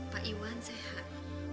pak iwan sehat